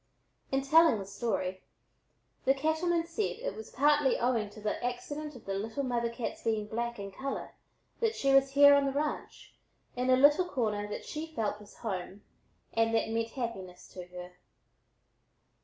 In telling the story, the cattleman said it was partly owing to the accident of the little mother cat's being black in color that she was here on the ranch in a little corner that she felt was home and that meant happiness to her.